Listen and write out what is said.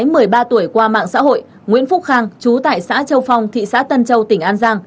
từ ba tuổi qua mạng xã hội nguyễn phúc khang chú tại xã châu phong thị xã tân châu tỉnh an giang